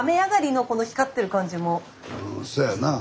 うんそやなあ。